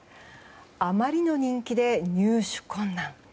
あまりの人気で入手困難。